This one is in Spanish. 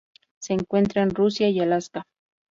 Se encuentra en Rusia y Alaska.